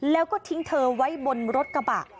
แล้วก็ทิ้งเธอไว้บนรถกระบะ